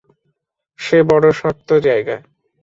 সে বড়ো শক্ত জায়গা।